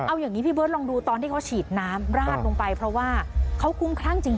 เอาอย่างนี้พี่เบิร์ดลองดูตอนที่เขาฉีดน้ำราดลงไปเพราะว่าเขาคุ้มคลั่งจริง